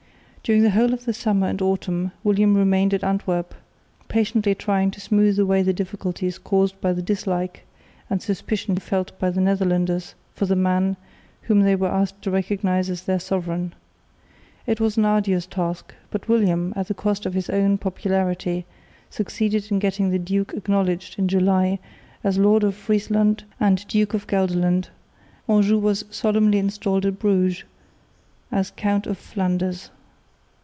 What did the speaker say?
During the whole of the summer and autumn William remained at Antwerp, patiently trying to smooth away the difficulties caused by the dislike and suspicion felt by the Netherlanders for the man whom they were asked to recognise as their sovereign. It was an arduous task, but William, at the cost of his own popularity, succeeded in getting the duke acknowledged in July as Lord of Friesland and Duke of Gelderland, and in August Anjou was solemnly installed at Bruges, as Count of Flanders.